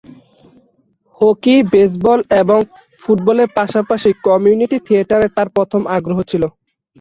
Hockey, baseball এবং ফুটবলের পাশাপাশি কমিউনিটি থিয়েটারে তার প্রথম আগ্রহ ছিল।